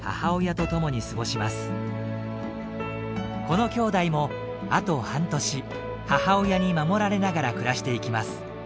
この兄弟もあと半年母親に守られながら暮らしていきます。